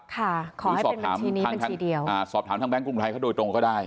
ขอให้เป็นบัญชีนี้บัญชีเดียวสอบถามทางแบงค์กรุงไทยโดยตรงก็ได้